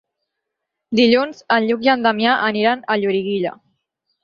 Dilluns en Lluc i en Damià aniran a Loriguilla.